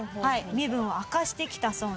身分を明かしてきたそうなんです。